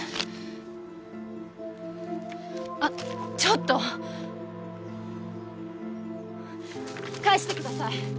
あっちょっと！返してください！